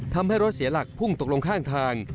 ทำให้รถเสียหลักพุ่งตกลงข้างทาง